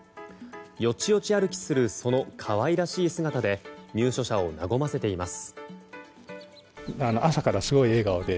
よちよち歩きするその可愛らしい姿で入所者を和ませています。